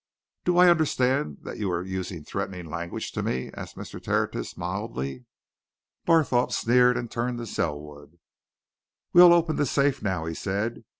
"Do I understand that you are using threatening language to me?" asked Mr. Tertius, mildly. Barthorpe sneered, and turned to Selwood. "We'll open this safe now," he said.